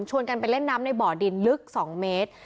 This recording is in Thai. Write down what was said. กันไปเล่นน้ำในบ่อดินลึก๒เมตร